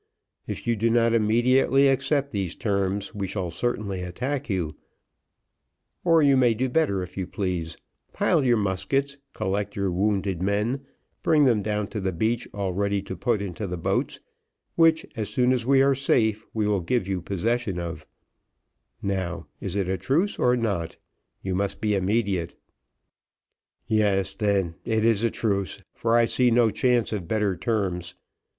If you do not immediately accept these terms, we shall certainly attack you, or you may do better if you please pile your muskets, collect your wounded men, bring them down to the beach all ready to put into the boats, which, as soon as we are safe, we will give you possession of now is it a truce or not? you must be immediate." "Yes, then, it is a truce, for I see no chance of better terms.